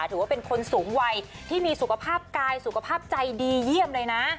ถือว่าเป็นคนสูงวัยที่มีสุขภาพกายสุขภาพใจดีเยี่ยมเลยนะ